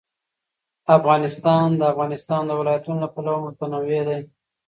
افغانستان د د افغانستان ولايتونه له پلوه متنوع دی.